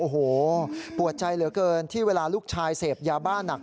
โอ้โหปวดใจเหลือเกินที่เวลาลูกชายเสพยาบ้านหนัก